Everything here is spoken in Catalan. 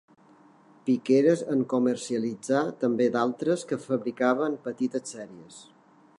Piqueres en comercialitzà també d'altres que fabricava en petites sèries.